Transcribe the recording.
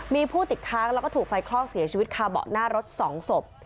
มีผู้ติดค้างแล้วก็ถูกไฟคลอกเสียชีวิตคาเบาะหน้ารถ๒ศพ